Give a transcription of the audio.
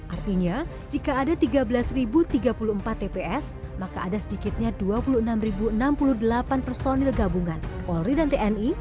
artinya jika ada tiga belas tiga puluh empat tps maka ada sedikitnya dua puluh enam enam puluh delapan personil gabungan polri dan tni